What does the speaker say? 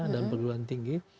dan perguruan tinggi